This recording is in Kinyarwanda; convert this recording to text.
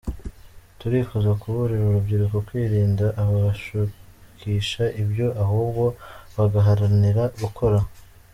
turifuza kuburira urubyiruko, kwirinda ababashukisha ibyo ahubwo bagaharanira gukora.